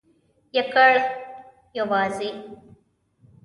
یکړ...یوازی ..